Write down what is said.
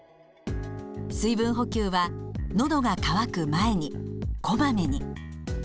水分補給は「のどが渇く前に」「こまめに」。